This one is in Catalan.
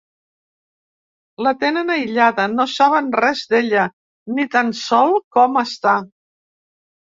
La tenen aïllada, no saben res d'ella, ni tan sol com està.